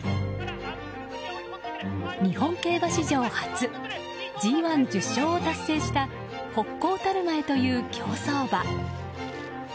日本競馬史上初Ｇ１、１０勝を達成したホッコータルマエという競走馬。